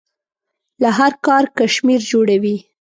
له هر کار کشمیر جوړوي.